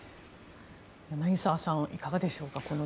柳澤さんは、この事件いかがでしょうか。